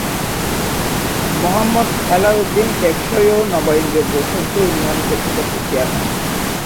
মোহাম্মদ হেলাল উদ্দিন টেকসই ও নবায়নযোগ্য শক্তি উন্নয়ন কর্তৃপক্ষের চেয়ারম্যান।